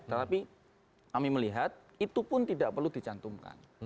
tetapi kami melihat itu pun tidak perlu dicantumkan